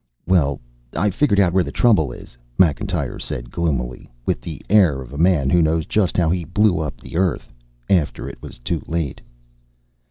"Well, I figured out where the trouble is," Macintyre said gloomily, with the air of a man who knows just how he blew up the Earth after it was too late.